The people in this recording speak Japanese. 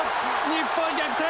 日本逆転！